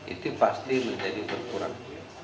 itu pasti menjadi berkurang